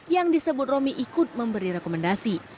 yang disebut romi ikut memberi rekomendasi